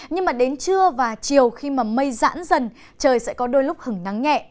nhưng đến trưa và chiều khi mây giãn dần trời sẽ có đôi lúc hứng nắng nhẹ